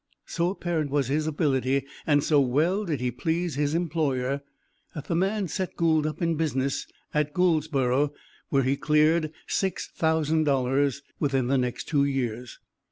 So apparent was his ability, and so well did he please his employer, that the man set Gould up in business at Gouldsborough, where he cleared $6,000 within the next two years.